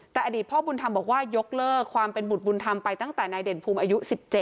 แต่อดีตพ่อบุญธรรมบอกว่ายกเลิกความเป็นบุตรบุญธรรมไปตั้งแต่นายเด่นภูมิอายุ๑๗